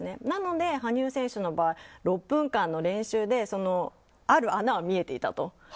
なので、羽生選手の場合６分間の練習である穴は見えていたと。